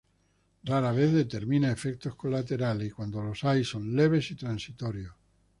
Rara vez determina efectos colaterales y, cuando los hay, son leves y transitorios.